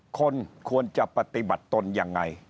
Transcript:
คนควรจะปฏิบัติตนยังไง